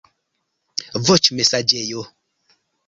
voĉmesaĝejo